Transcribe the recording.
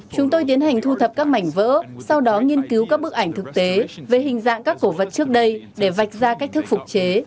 chúng tôi tiến hành thu thập các mảnh vỡ sau đó nghiên cứu các bức ảnh thực tế về hình dạng các cổ vật trước đây để vạch ra cách thức phục chế